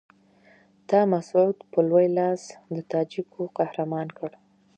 تا مسعود په لوی لاس د تاجکو قهرمان کړ.